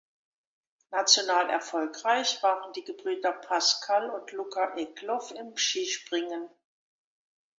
National erfolgreich waren die Gebrüder Pascal und Luca Egloff im Skispringen.